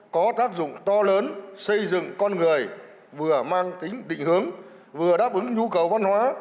có tác dụng to lớn xây dựng con người vừa mang tính định hướng vừa đáp ứng nhu cầu văn hóa